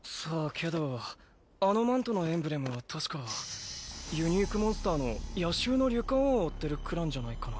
けどあのマントのエンブレムは確かユニークモンスターの夜襲のリュカオーンを追ってるクランじゃないかな？